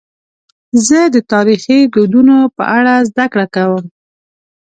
زه د تاریخي دودونو په اړه زدهکړه کوم.